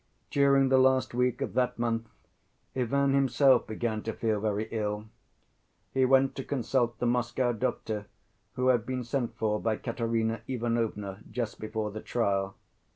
During the last week of that month Ivan himself began to feel very ill. He went to consult the Moscow doctor who had been sent for by Katerina Ivanovna just before the trial.